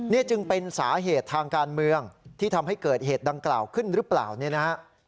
นี่จึงเป็นสาเหตุทางการเมืองที่ทำให้เกิดเหตุดังกล่าวขึ้นหรือเปล่าเนี่ยนะฮะ